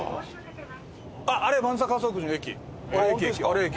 あれ駅！